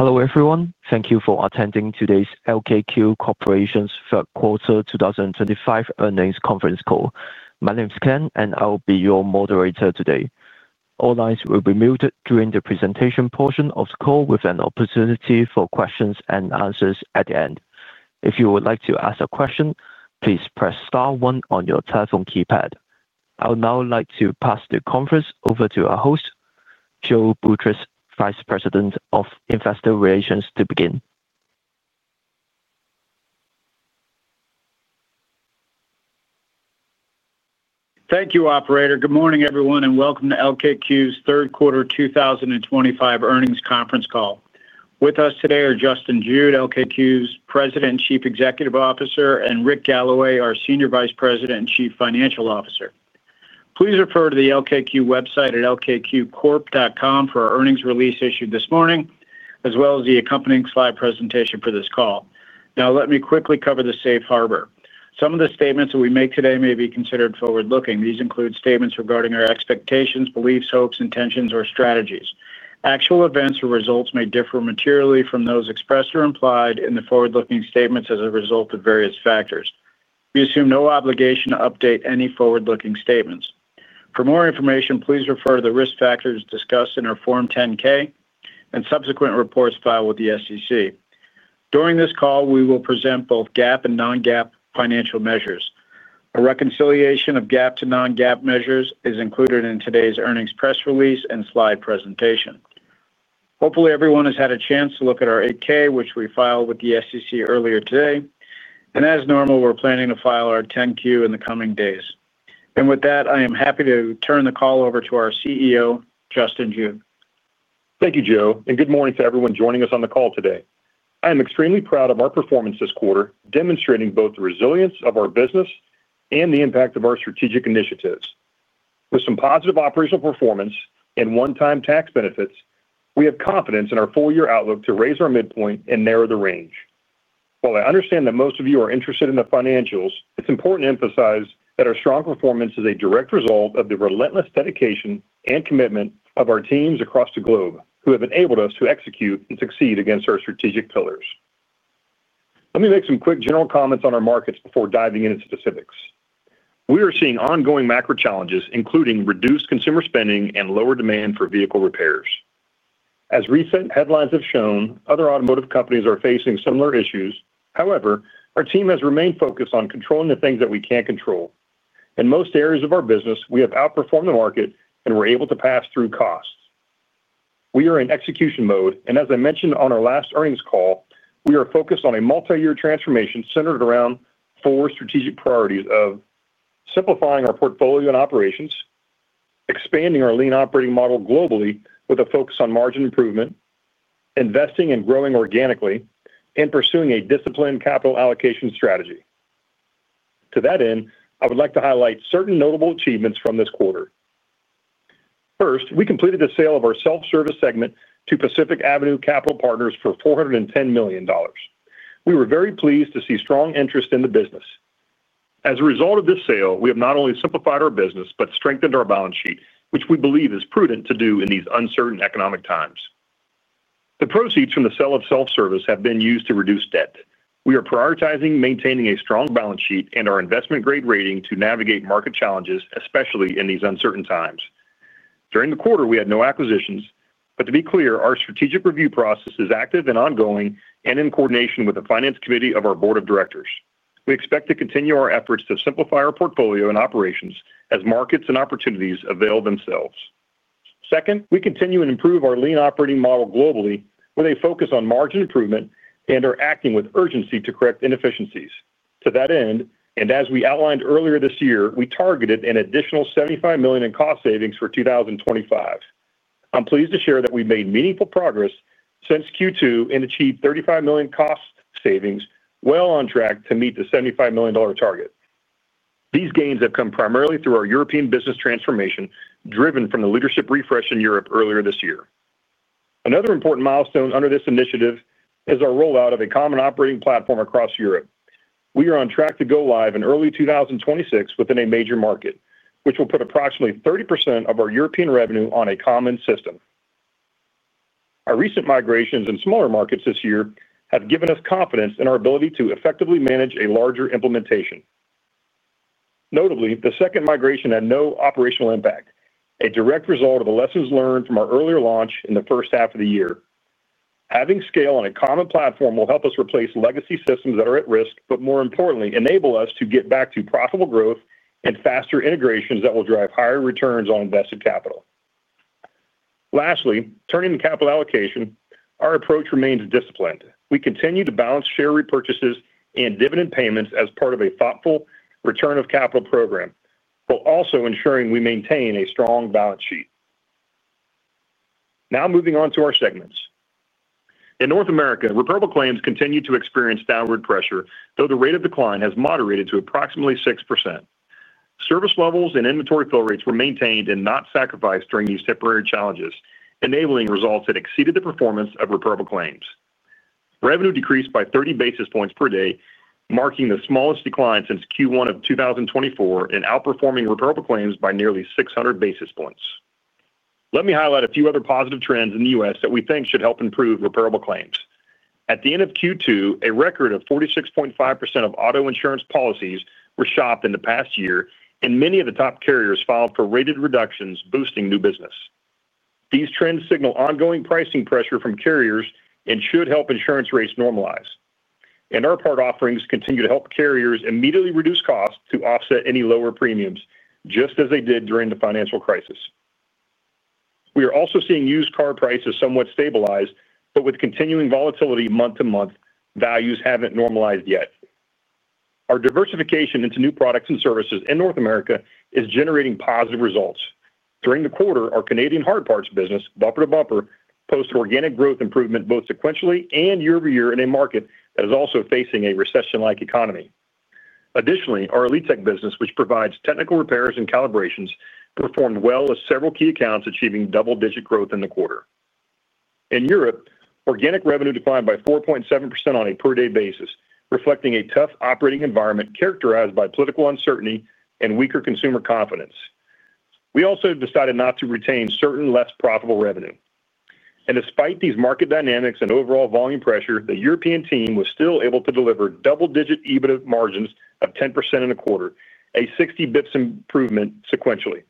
Hello everyone. Thank you for attending today's LKQ Corporation's third quarter 2025 earnings conference call. My name is Ken and I'll be your moderator today. All lines will be muted during the presentation portion of the call with an opportunity for questions and answers at the end. If you would like to ask a question, please press star one on your telephone keypad. I would now like to pass the conference over to our host, Joe Boutross, Vice President of Investor Relations, to begin. Thank you, operator. Good morning, everyone, and welcome to LKQ's third quarter 2025 earnings conference call. With us today are Justin Jude, LKQ's President and Chief Executive Officer, and Rick Galloway, our Senior Vice President and Chief Financial Officer. Please refer to the LKQ website at lkqcorp.com for our earnings release issued this morning, as well as the accompanying slide presentation for this call. Now let me quickly cover the safe harbor. Some of the statements that we make today may be considered forward-looking. These include statements regarding our expectations, beliefs, hopes, intentions, or strategies. Actual events or results may differ materially from those expressed or implied in the forward-looking statements as a result of various factors. We assume no obligation to update any forward-looking statements. For more information, please refer to the risk factors discussed in our Form 10-K and subsequent reports filed with the SEC. During this call, we will present both GAAP and non-GAAP financial measures. A reconciliation of GAAP to non-GAAP measures is included in today's earnings press release and slide presentation. Hopefully, everyone has had a chance to look at our 8-K, which we filed with the SEC earlier today. As normal, we're planning to file our 10-Q in the coming days. With that, I am happy to turn the call over to our CEO, Justin Jude. Thank you, Joe, and good morning to everyone joining us on the call today. I am extremely proud of our performance this quarter, demonstrating both the resilience of our business and the impact of our strategic initiatives. With some positive operational performance and one-time tax benefits, we have confidence in our full-year outlook to raise our midpoint and narrow the range. While I understand that most of you are interested in the financials, it's important to emphasize that our strong performance is a direct result of the relentless dedication and commitment of our teams across the globe who have enabled us to execute and succeed against our strategic pillars. Let me make some quick general comments on our markets before diving into specifics. We are seeing ongoing macro challenges, including reduced consumer spending and lower demand for vehicle repairs. As recent headlines have shown, other automotive companies are facing similar issues. However, our team has remained focused on controlling the things that we can control. In most areas of our business, we have outperformed the market and were able to pass through costs. We are in execution mode, and as I mentioned on our last earnings call, we are focused on a multi-year transformation centered around four strategic priorities of simplifying our portfolio and operations, expanding our lean operating model globally with a focus on margin improvement, investing and growing organically, and pursuing a disciplined capital allocation strategy. To that end, I would like to highlight certain notable achievements from this quarter. First, we completed the sale of our Self Service segment to Pacific Avenue Capital Partners for $410 million. We were very pleased to see strong interest in the business. As a result of this sale, we have not only simplified our business but strengthened our balance sheet, which we believe is prudent to do in these uncertain economic times. The proceeds from the sale of Self Service have been used to reduce debt. We are prioritizing maintaining a strong balance sheet and our investment grade rating to navigate market challenges, especially in these uncertain times. During the quarter, we had no acquisitions, but to be clear, our strategic review process is active and ongoing, and in coordination with the finance committee of our board of directors, we expect to continue our efforts to simplify our portfolio and operations as markets and opportunities avail themselves. Second, we continue and improve our lean operating model globally with a focus on margin improvement and are acting with urgency to correct inefficiencies to that end. As we outlined earlier this year, we targeted an additional $75 million in cost savings for 2025. I'm pleased to share that we've made meaningful progress since Q2 and achieved $35 million cost savings, well on track to meet the $75 million target. These gains have come primarily through our European business transformation driven from the leadership refresh in Europe earlier this year. Another important milestone under this initiative is our rollout of a common operating platform across Europe. We are on track to go live in early 2026 within a major market, which will put approximately 30% of our European revenue on a common system. Our recent migrations in smaller markets this year have given us confidence in our ability to effectively manage a larger implementation. Notably, the second migration had no operational impact, a direct result of the lessons learned from our earlier launch in the first half of the year. Having scale on a common platform will help us replace legacy systems that are at risk, but more importantly enable us to get back to profitable growth and faster integrations that will drive higher returns on invested capital. Lastly, turning to capital allocation. Our approach remains disciplined. We continue to balance share repurchases and dividend payments as part of a thoughtful return of capital program while also ensuring we maintain a strong balance sheet. Now moving on to our segments in North America, repairable claims continue to experience downward pressure, though the rate of decline has moderated to approximately 6%. Service levels and inventory fill rates were maintained and not sacrificed during these temporary challenges, enabling results that exceeded the performance of repairable claims. Revenue decreased by 30 basis points per day, marking the smallest decline since Q1 of 2024 and outperforming repairable claims by nearly 600 basis points. Let me highlight a few other positive trends in the U.S. that we think should help improve repairable claims at the end of Q2. A record of 46.5% of auto insurance policies were shopped in the past year and many of the top carriers filed for rate reductions, boosting new business. These trends signal ongoing pricing pressure from carriers and should help insurance rates normalize, and our part offerings continue to help carriers immediately reduce costs to offset any lower premiums, just as they did during the financial crisis. We are also seeing used car prices somewhat stabilize, but with continuing volatility, month-to-month values haven't normalized yet. Our diversification into new products and services in North America is generating positive results. During the quarter, our Canadian hard parts business, bumper to bumper, posted organic growth improvement both sequentially and year over year in a market that is also facing a recession-like economy. Additionally, our Elitek business, which provides technical repairs and calibrations, performed well with several key accounts achieving double-digit growth in the quarter. In Europe, organic revenue declined by 4.7% on a per day basis, reflecting a tough operating environment characterized by political uncertainty and weaker consumer confidence. We also decided not to retain certain less profitable revenue, and despite these market dynamics and overall volume pressure, the European team was still able to deliver double-digit EBITDA margins of 10% in a quarter, a 60 basis points improvement. Sequentially,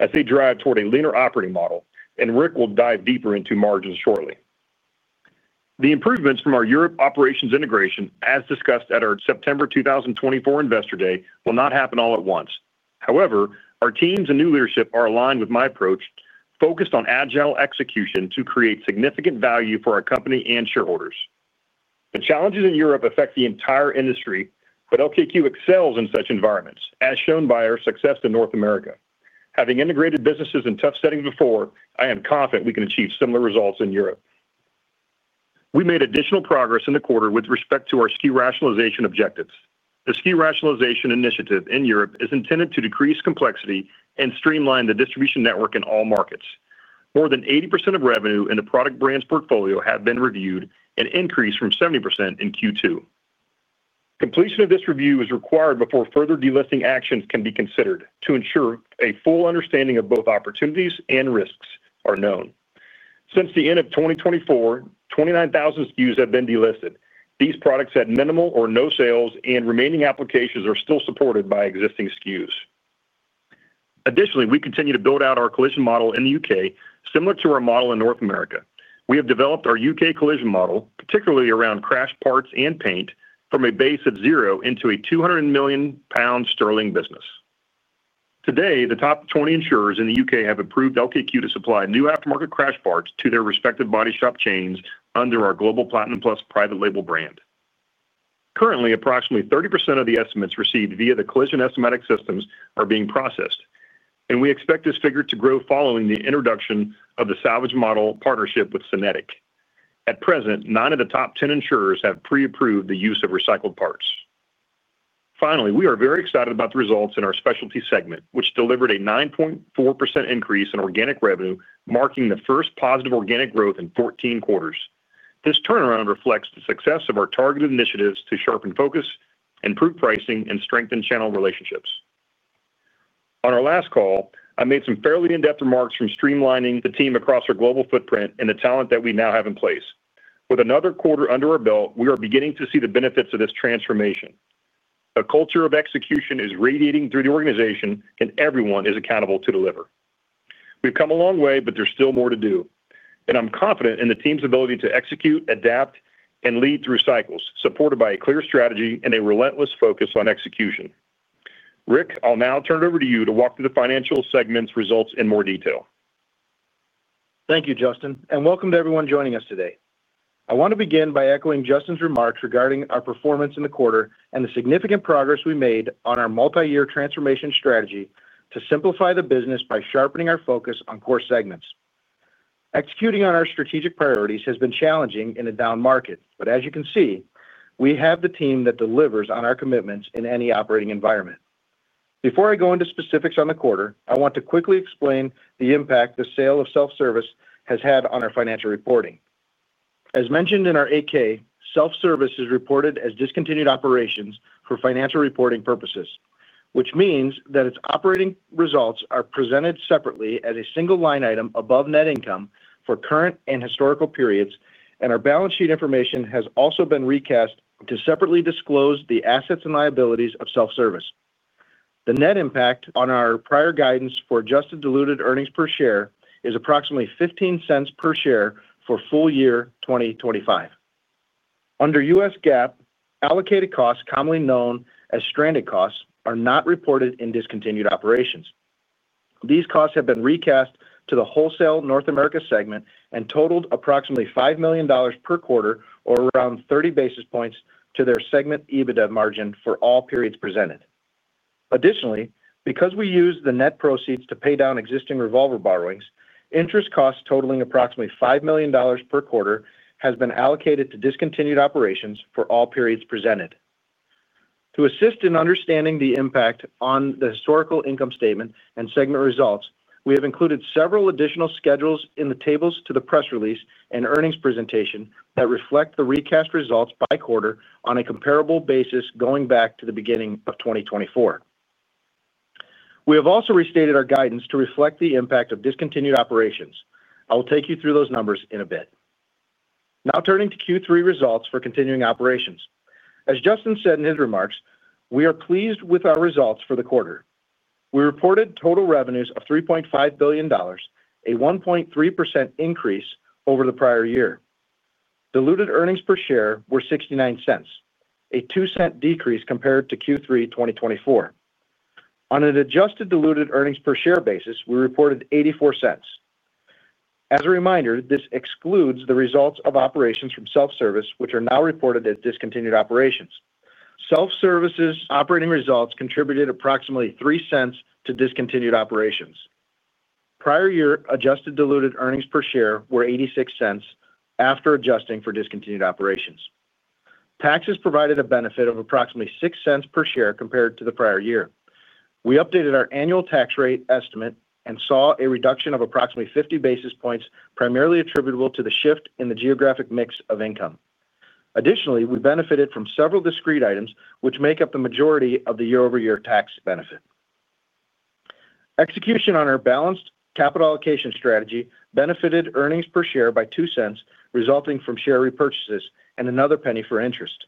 I see drive toward a leaner operating model, and Rick will dive deeper into margins shortly. The improvements from our Europe operations integration, as discussed at our September 2024 Investor Day, will not happen all at once. However, our teams and new leadership are aligned with my approach focused on agile execution to create significant value for our company and shareholders. The challenges in Europe affect the entire industry, but LKQ excels in such environments as shown by our success in North America. Having integrated businesses in tough settings before, I am confident we can achieve similar results in Europe. We made additional progress in the quarter with respect to our SKU rationalization objectives. The SKU rationalization initiative in Europe is intended to decrease complexity and streamline the distribution network in all markets. More than 80% of revenue in the product brand's portfolio have been reviewed, an increase from 70% in Q2. Completion of this review is required before further delisting actions can be considered to ensure a full understanding of both opportunities and risks are known. Since the end of 2024, 29,000 SKUs have been delisted. These products had minimal or no sales, and remaining applications are still supported by existing SKUs. Additionally, we continue to build out our collision model in the U.K. similar to our model in North America. We have developed our U.K. collision model, particularly around crashed parts and paint, from a base of zero into a 200 million pound business. Today, the top 20 insurers in the U.K. have approved LKQ to supply new aftermarket crash parts to their respective body shop chains under our global Platinum Plus private label brand. Currently, approximately 30% of the estimates received via the collision estimatic systems are being processed, and we expect this figure to grow following the introduction of the Salvage model partnership with SYNETIQ. At present, nine of the top 10 insurers have pre-approved the use of recycled parts. Finally, we are very excited about the results in our specialty segment, which delivered a 9.4% increase in organic revenue, marking the first positive organic growth in 14 quarters. This turnaround reflects the success of our targeted initiatives to sharpen focus, improve pricing, and strengthen channel relationships. On our last call, I made some fairly in-depth remarks on streamlining the team across our global footprint and the talent that we now have in place. With another quarter under our belt, we are beginning to see the benefits of this transformation. A culture of execution is radiating through the organization, and everyone is accountable to deliver. We've come a long way, but there's still more to do, and I'm confident in the team's ability to execute, adapt, and lead through cycles supported by a clear strategy and a relentless focus on execution. Rick, I'll now turn it over to you to walk through the financial segments results in more detail. Thank you, Justin, and welcome to everyone joining us today. I want to begin by echoing Justin's remarks regarding our performance in the quarter and the significant progress we made on our multi-year transformation strategy to simplify the business by sharpening our focus on core segments. Executing on our strategic priorities has been challenging in a down market, but as you can see, we have the team that delivers on our commitments in any operating environment. Before I go into specifics on the quarter, I want to quickly explain the impact the sale of the Self Service segment has had on our financial reporting. As mentioned in our 8-K, Self Service is reported as discontinued operations for financial reporting purposes, which means that its operating results are presented separately as a single line item above net income for current and historical periods, and our balance sheet information has also been recast to separately disclose the assets and liabilities of Self Service. The net impact on our prior guidance for adjusted diluted earnings per share is approximately $0.15 per share for full year 2025. Under U.S. GAAP, allocated costs, commonly known as stranded costs, are not reported in discontinued operations. These costs have been recast to the Wholesale North America segment and totaled approximately $5 million per quarter, or around 30 basis points to their segment EBITDA margin for all periods presented. Additionally, because we used the net proceeds to pay down existing revolver borrowings, interest costs totaling approximately $5 million per quarter have been allocated to discontinued operations for all periods presented. To assist in understanding the impact on the historical income statement and segment results, we have included several additional schedules in the tables to the press release and earnings presentation that reflect the recast results by quarter on a comparable basis going back to the beginning of 2024. We have also restated our guidance to reflect the impact of discontinued operations. I will take you through those numbers in a bit. Now turning to Q3 results for continuing operations. As Justin said in his remarks, we are pleased with our results for the quarter. We reported total revenues of $3.5 billion, a 1.3% increase over the prior year. Diluted earnings per share were $0.69, a $0.02 decrease compared to Q3 2024. On an adjusted diluted earnings per share basis, we reported $0.84. As a reminder, this excludes the results of operations from Self Service, which are now reported as discontinued operations. Self Service's operating results contributed approximately $0.03 to discontinued operations. Prior year, adjusted diluted earnings per share were $0.86. After adjusting for discontinued operations, taxes provided a benefit of approximately $0.06 per share compared to the prior year. We updated our annual tax rate estimate and saw a reduction of approximately 50 basis points, primarily attributable to the shift in the geographic mix of income. Additionally, we benefited from several discrete items which make up the majority of the year over year tax benefit. Execution on our balanced capital allocation strategy benefited earnings per share by $0.02 resulting from share repurchases and another penny for interest.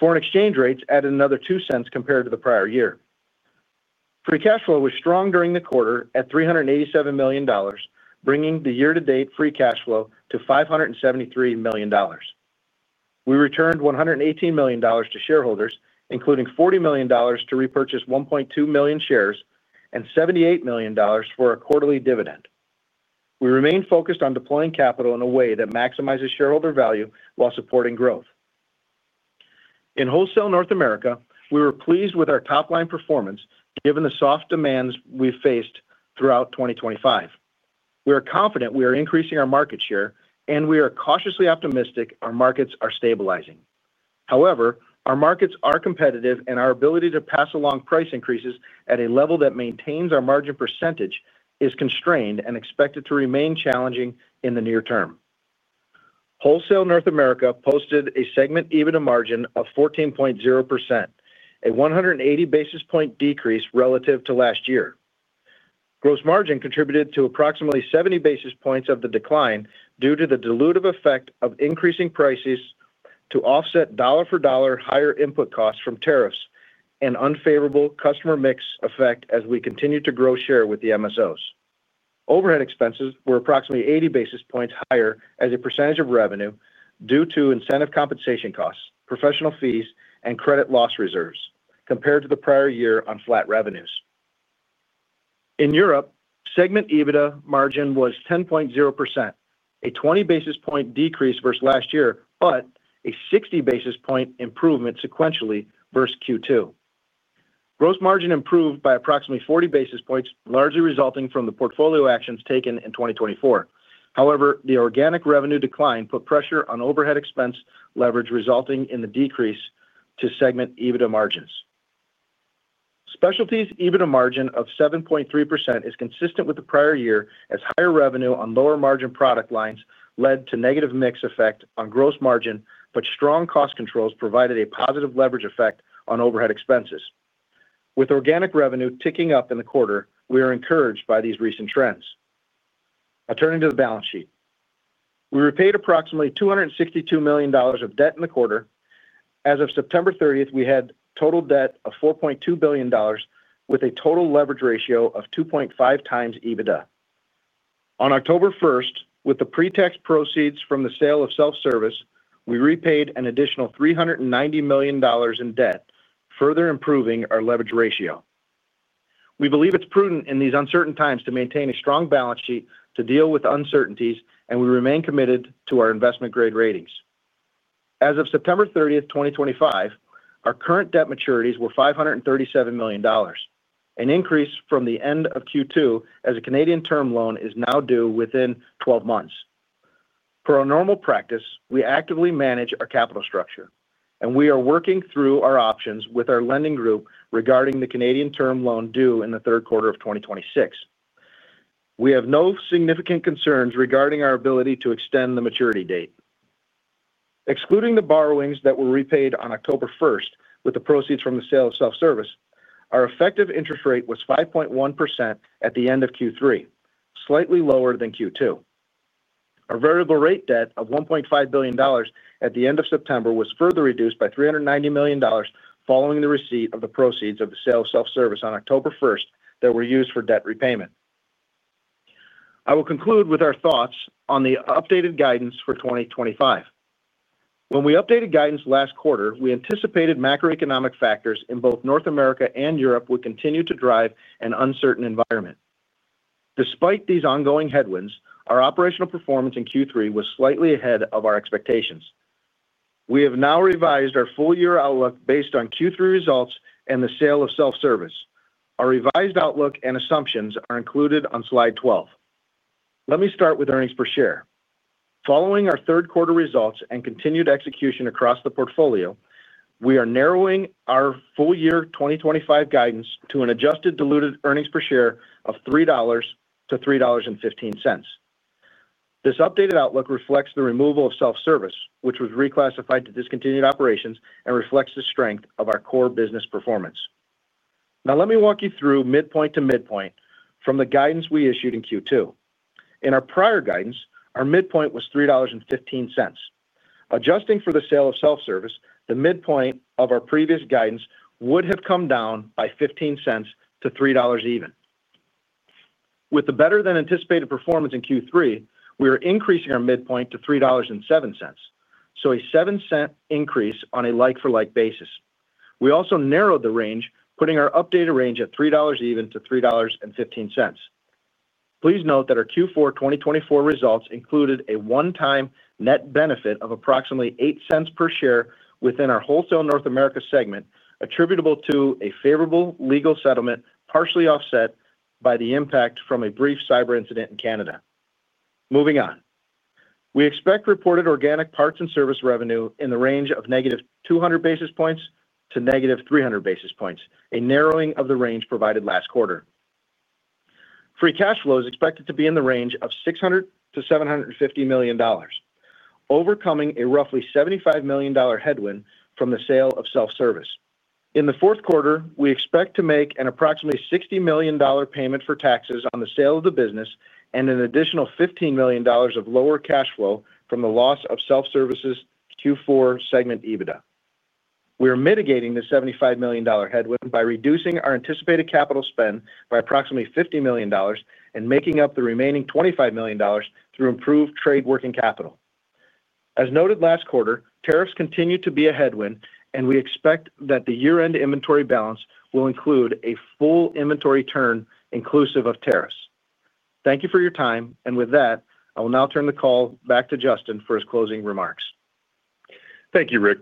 Foreign exchange rates added another $0.02 compared to the prior year. Free cash flow was strong during the quarter at $387 million, bringing the year to date free cash flow to $573 million. We returned $118 million to shareholders, including $40 million to repurchase 1.2 million shares and $78 million for a quarterly dividend. We remain focused on deploying capital in a way that maximizes shareholder value while supporting growth in Wholesale North America. We were pleased with our top line performance given the soft demands we faced throughout 2025. We are confident we are increasing our market share and we are cautiously optimistic. Our markets are stabilizing, however, our markets are competitive and our ability to pass along price increases at a level that maintains our margin percentage is constrained and expected to remain challenging in the near term. Wholesale North America posted a segment EBITDA margin of 14.0%, a 180 basis point decrease relative to last year. Gross margin contributed to approximately 70 basis points of the decline due to the dilutive effect of increasing prices to offset dollar for dollar higher input costs from tariffs and unfavorable customer mix effect as we continue to grow share with the MSOs. Overhead expenses were approximately 80 basis points higher as a percentage of revenue due to incentive compensation costs, professional fees, and credit loss reserves compared to the prior year on flat revenues. In Europe, segment EBITDA margin was 10.0%, a 20 basis point decrease versus last year, but a 60 basis point improvement sequentially versus Q2. Gross margin improved by approximately 40 basis points, largely resulting from the portfolio actions taken in 2024. However, the organic revenue decline put pressure on overhead expense leverage, resulting in the decrease to segment EBITDA margins. Specialty's EBITDA margin of 7.3% is consistent with the prior year as higher revenue on lower margin product lines led to negative mix effect on gross margin, but strong cost controls provided a positive leverage effect on overhead expenses. With organic revenue ticking up in the quarter, we are encouraged by these recent trends. Now turning to the balance sheet, we repaid approximately $262 million of debt in the quarter. As of September 30th, we had total debt of $4.2 billion with a total leverage ratio of 2.5x EBITDA. On October 1st, with the pre-tax proceeds from the sale of Self Service, we repaid an additional $390 million in debt, further improving our leverage ratio. We believe it's prudent in these uncertain times to maintain a strong balance sheet to deal with uncertainties, and we remain committed to our investment grade ratings. As of September 30th, 2025, our current debt maturities were $537 million, an increase from the end of Q2 as a Canadian term loan is now due within 12 months. Per our normal practice, we actively manage our capital structure and we are working through our options with our lending group. Regarding the Canadian term loan due in the third quarter of 2026, we have no significant concerns regarding our ability to extend the maturity date. Excluding the borrowings that were repaid on October 1st with the proceeds from the sale of Self Service, our effective interest rate was 5.1% at the end of Q3, slightly lower than Q2. Our variable rate debt of $1.5 billion at the end of September was further reduced by $390 million following the receipt of the proceeds of the sale of Self Service on October 1s that were used for debt repayment. I will conclude with our thoughts on the updated guidance for 2025. When we updated guidance last quarter, we anticipated macroeconomic factors in both North America and Europe would continue to drive an uncertain environment. Despite these ongoing headwinds, our operational performance in Q3 was slightly ahead of our expectations. We have now revised our full year outlook based on Q3 results and the sale of Self Service. Our revised outlook and assumptions are included on slide 12. Let me start with earnings per share. Following our third quarter results and continued execution across the portfolio, we are narrowing our full year 2025 guidance to an adjusted diluted earnings per share of $3-$3.15. This updated outlook reflects the removal of Self Service, which was reclassified to discontinued operations, and reflects the strength of our core business performance. Now let me walk you through midpoint to midpoint from the guidance we issued in Q2. In our prior guidance, our midpoint was $3.15. Adjusting for the sale of Self Service, the midpoint of our previous guidance would have come down by $0.15-$3. Even with the better than anticipated performance in Q3, we are increasing our midpoint to $3.07, so a $0.07 increase on a like-for-like basis. We also narrowed the range, putting our updated range at $3 even to $3.15. Please note that our Q4 2024 results included a one-time net benefit of approximately $0.08 per share within our Wholesale North America segment attributable to a favorable legal settlement, partially offset by the impact from a brief cyber incident in Canada. Moving on, we expect reported organic parts and service revenue in the range of -200 basis points to -300 basis points. A narrowing of the range provided last quarter. Free cash flow is expected to be in the range of $600 million-$750 million, overcoming a roughly $75 million headwind from the sale of Self Service. In the fourth quarter, we expect to make an approximately $60 million payment for taxes on the sale of the business and an additional $15 million of lower cash flow from the loss of Self Service's Q4 segment EBITDA. We are mitigating the $75 million headwind by reducing our anticipated capital spend by approximately $50 million and making up the remaining $25 million through improved trade working capital. As noted last quarter, tariffs continue to be a headwind, and we expect that the year-end inventory balance will include a full inventory turn inclusive of tariffs. Thank you for your time. With that, I will now turn the call back to Justin for his closing remarks. Thank you, Rick.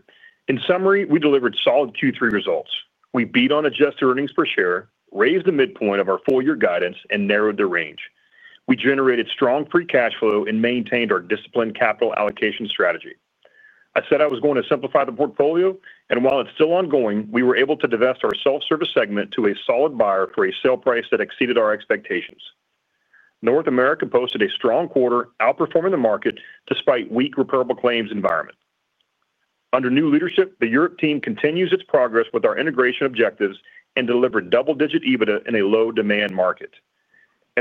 In summary, we delivered solid Q3 results. We beat on adjusted earnings per share, raised the midpoint of our full year guidance, and narrowed the range. We generated strong free cash flow and maintained our disciplined capital allocation strategy. I said I was going to simplify the portfolio, and while it's still ongoing, we were able to divest our Self Service segment to a solid buyer for a sale price that exceeded our expectations. North America posted a strong quarter, outperforming the market despite a weak repairable claims environment. Under new leadership, the Europe team continues its progress with our integration objectives and delivered double-digit EBITDA in a low demand market.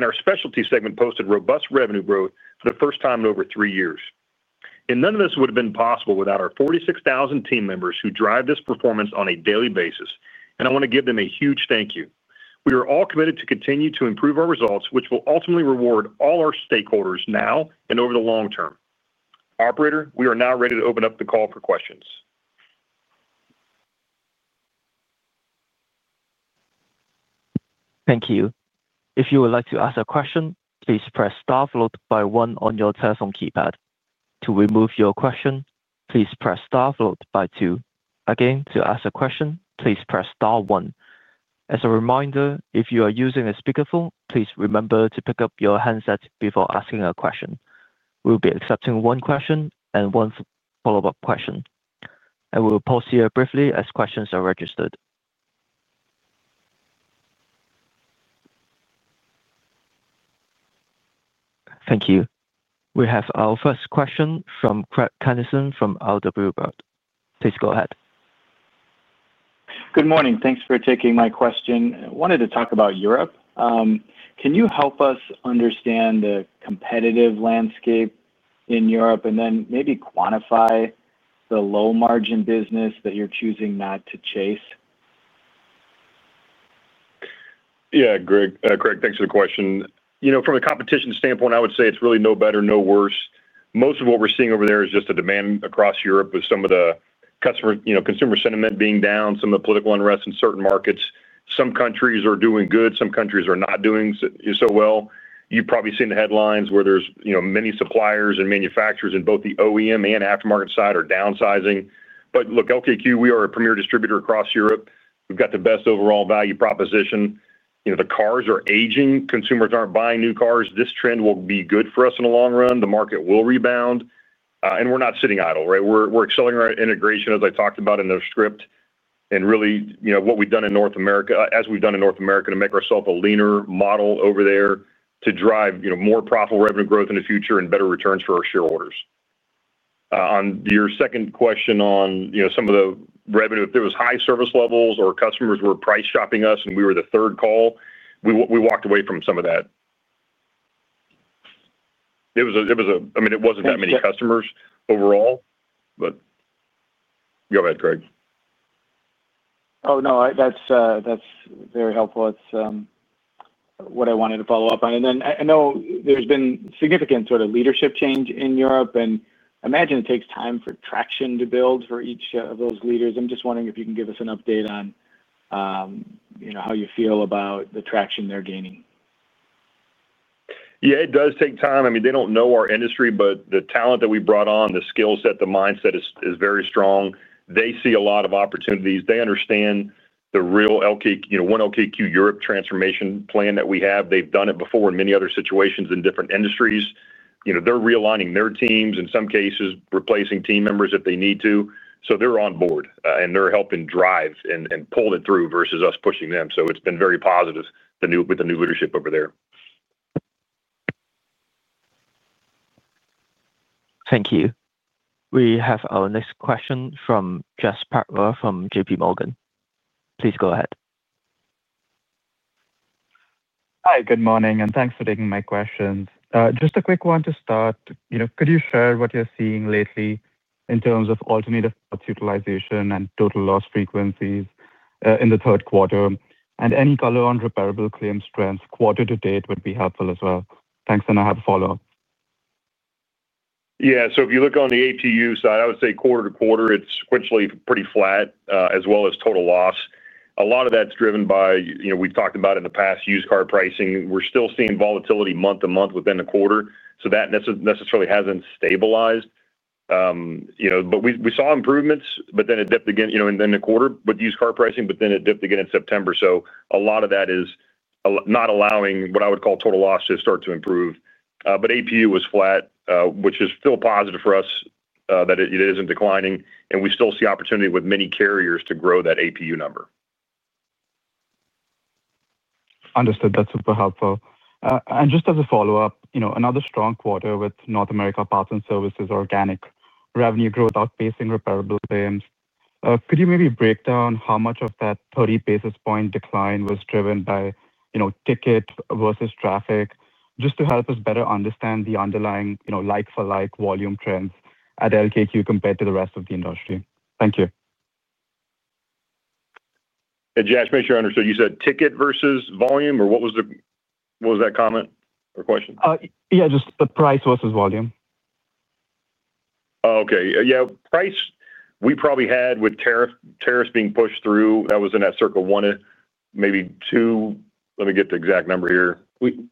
Our specialty segment posted robust revenue growth for the first time in over three years. None of this would have been possible without our 46,000 team members who drive this performance on a daily basis. I want to give them a huge thank you. We are all committed to continue to improve our results, which will ultimately reward all our stakeholders now and over the long term. Operator, we are now ready to open up the call for questions. Thank you. If you would like to ask a question, please press star followed by one on your telephone keypad. To remove your question, please press star followed by two again. To ask a question, please press star one. As a reminder, if you are using a speakerphone, please remember to pick up your handset before asking a question. We'll be accepting one question and one follow up question, and we'll pause here briefly as questions are registered. Thank you. We have our first question from Craig Kennison from RW Baird. Please go ahead. Good morning. Thanks for taking my question. Wanted to talk about Europe. Can you help us understand the competitive landscape in Europe, and then maybe quantify the low margin business that you're choosing not to chase? Yeah, Craig, thanks for the question. You know, from a competition standpoint, I would say it's really no better, no worse. Most of what we're seeing over there is just the demand across Europe with some of the consumer sentiment being down, some of the political unrest in certain markets. Some countries are doing good, some countries are not doing so well. You've probably seen the headlines where there's many suppliers and manufacturers in both the OEM and aftermarket side are downsizing. Look, LKQ, we are a premier distributor across Europe. We've got the best overall value proposition. The cars are aging. Consumers aren't buying new cars. This trend will be good for us in the long run. The market will rebound and we're not sitting idle. Right. We're excelling our integration, as I talked about in the script. Really, you know, what we've done in North America, as we've done in North America, to make ourself a leaner model over there to drive more profitable revenue growth in the future and better returns for our shareholders. On your second question, on some of the revenue, if there was high service levels or customers were price shopping us, and we were the third call, we walked away from some of that. It was a. It wasn't that many customers overall. Go ahead, Craig. Oh, no, that's very helpful. It's what I wanted to follow up on. I know there's been significant sort of leadership change in Europe, and I imagine it takes time for traction to build for each of those leaders. I'm just wondering if you can give us an update on how you feel about the traction they're gaining. Yeah, it does take time. I mean, they don't know our industry, but the talent that we brought on, the skill set, the mindset is very strong. They see a lot of opportunities. They understand the real one LKQ Europe transformation plan that we have. They've done it before in many other situations in different industries. They're realigning their teams, in some cases replacing team members if they need to. They're on board and they're helping drive and pull it through versus us pushing them. It's been very positive with the new leadership over there. Thank you. We have our next question from Jash Patwa from JPMorgan. Please go ahead. Hi, good morning and thanks for taking my questions. Just a quick one to start. Could you share what you're seeing lately in terms of alternative utilization and total loss frequencies in the third quarter, and any color on repairable claims trends quarter to date would be helpful as well. Thanks. I have a follow up. Yeah, so if you look on the APU side, I would say quarter to quarter, it's sequentially pretty flat as well as total loss. A lot of that's driven by, you know, we've talked about in the past used car pricing. We're still seeing volatility month to month within the quarter, so that necessarily hasn't stabilized, you know, we saw improvements, but it dipped again, you know, in the quarter with used car pricing, but it dipped again in September. A lot of that is not allowing what I would call total loss to start to improve. APU was flat, which is still positive for us that it isn't declining and we still see opportunity with many carriers to grow that APU number. Understood, that's super helpful. Just as a follow up, another strong quarter with North America Parts and Services organic revenue growth outpacing repairable claims. Could you maybe break down how much of that 30 basis point decline was driven by ticket versus traffic, just to help us better understand the underlying like-for-like volume trends at LKQ compared to the rest of the industry? Thank you. Make sure I understood. You said ticket versus volume, or what was that comment or question? Yeah, just the price versus volume. Okay. Yeah, price we probably had with tariffs being pushed through. That was in that circle one, maybe two. Let me get the exact number here.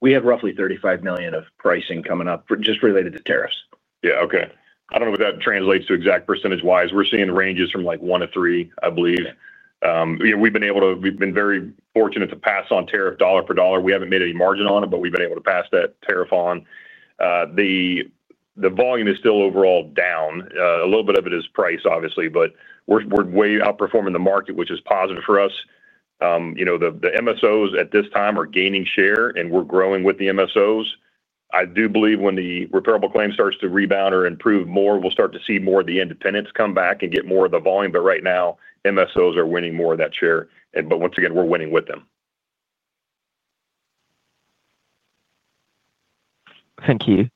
We have roughly $35 million of pricing coming up just related to tariffs. Yeah. Okay. I don't know what that translates to exact percentage wise. We're seeing the ranges from like 1%-3%. I believe we've been able to. We've been very fortunate to pass on tariff dollar for dollar. We haven't made any margin on it, but we've been able to pass that tariff on. The volume is still overall down. A little bit of it is price obviously, but we're way outperforming the market, which is positive for us. You know, the MSOs at this time are gaining share and we're growing with the MSOs. I do believe when the repairable claim starts to rebound or improve more, we'll start to see more of the independents come back and get more of the volume. Right now MSOs are winning more of that share. Once again we're winning with them. Thank you.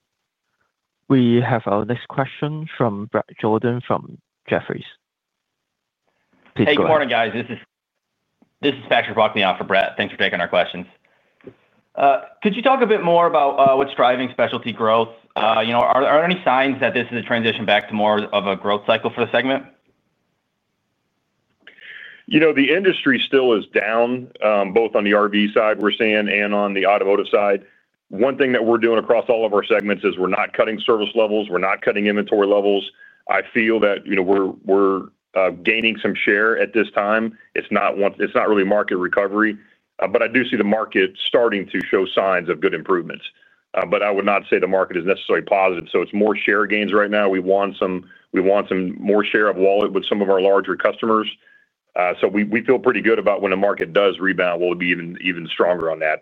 We have our next question from Bret Jordan from Jefferies. Hey, good morning guys. This is Patrick Buckley off for Bret. Thanks for taking our questions. Could you talk a bit more about what's driving specialty growth? Are any signs that this is a transition back to more of a growth cycle for the segment? You know, the industry still is down both on the RV side we're seeing and on the automotive side. One thing that we're doing across all of our segments is we're not cutting service levels, we're not cutting inventory levels. I feel that we're gaining some share at this time. It's not really market recovery, but I do see the market starting to show signs of good improvements. I would not say the market is necessarily positive. It's more share gains. Right now we want some more share of wallet with some of our larger customers. We feel pretty good about when the market does rebound. We'll be even stronger on that.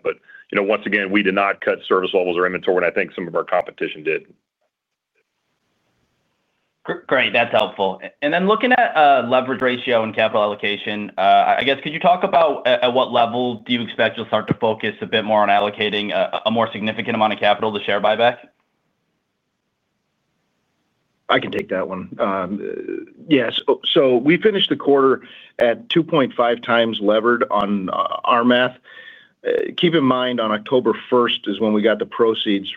Once again, we did not cut service levels or inventory and I think some of our competition did. Great. That's helpful. Looking at leverage ratio and capital allocation, I guess could you talk about at what level you expect you'll start to focus a bit more on allocating a more significant amount of capital to share buyback? I can take that one. Yes. We finished the quarter at 2.5x levered on our math. Keep in mind on October 1st is when we got the proceeds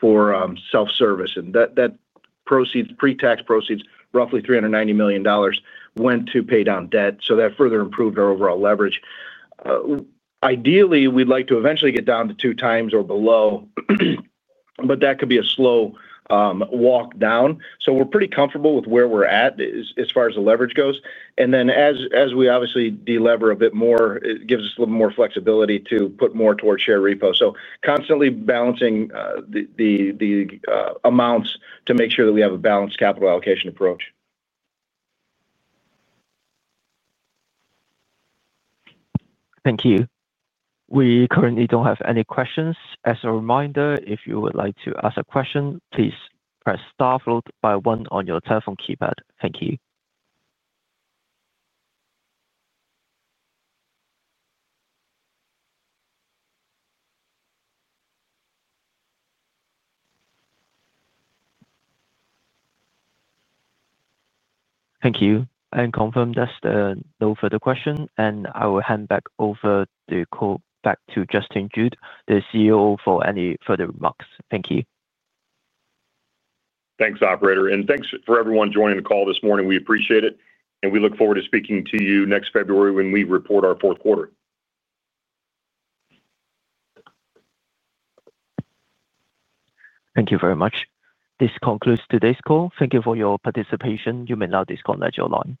for Self Service and that pre-tax proceeds, roughly $390 million, went to pay down debt. That further improved our overall leverage. Ideally we'd like to eventually get down to 2x or below, but that could be a slow walk down. We're pretty comfortable with where we're at as far as the leverage goes. As we obviously delever a bit more, it gives us a little more flexibility to put more towards share repo. Constantly balancing the amount to make sure that we have a balanced capital allocation approach. Thank you. We currently don't have any questions. As a reminder, if you would like to ask a question, please press star followed by one on your telephone keypad. Thank you. Thank you and confirm that's no further question. I will hand back over the call to Justin Jude, the CEO, for any further remarks. Thank you. Thanks, operator. Thanks for everyone joining the call this morning. We appreciate it, and we look forward to speaking to you next February when we report our fourth quarter. Thank you very much. This concludes today's call. Thank you for your participation. You may now disconnect your line.